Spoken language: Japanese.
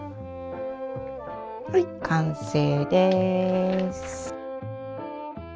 はい完成です！